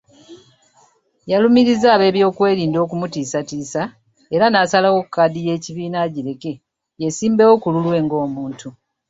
Yalumiriza ab'ebyokwerinda okumutiisatiisa era n'asalawo kaadi y'ekibiina agireke yeesimbewo ku lulwe ng'omuntu.